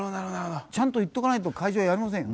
ちゃんと言っとかないと会場やりませんよね？